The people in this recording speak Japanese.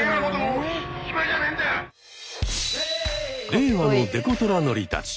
令和のデコトラ乗りたち。